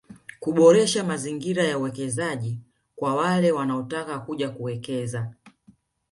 Kuboresha mazingira ya uwekezaji kwa wale wanaotaka kuja kuwekeza